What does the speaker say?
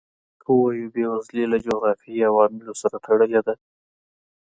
که ووایو بېوزلي له جغرافیوي عواملو سره تړلې ده.